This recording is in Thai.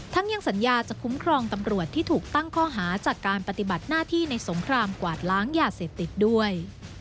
ยังสัญญาจะคุ้มครองตำรวจที่ถูกตั้งข้อหาจากการปฏิบัติหน้าที่ในสงครามกวาดล้างยาเสพติดด้วย